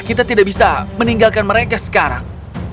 kita tidak bisa meninggalkan mereka sekarang